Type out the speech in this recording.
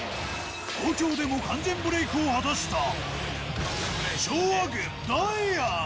東京でも完全ブレークを果たした昭和軍、ダイアン。